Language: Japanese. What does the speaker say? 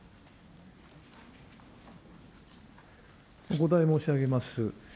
お答え申し上げます。